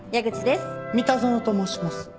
三田園と申します。